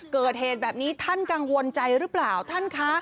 เกิดเหตุแบบนี้ท่านกังวลใจหรือเปล่าท่านคะ